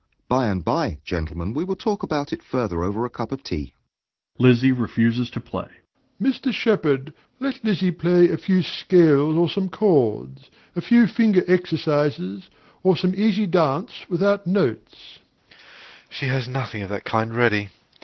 By and by, gentlemen, we will talk about it further over a cup of tea. (Lizzie refuses to play.) DOMINIE. Mr. Shepard, let Lizzie play a few scales or some chords; a few finger exercises, or some easy dance without notes. SHEPARD. She has nothing of that kind ready.